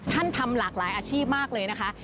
ทำหลากหลายอาชีพมากเลยนะคะ